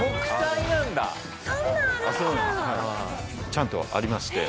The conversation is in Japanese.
ちゃんとありまして。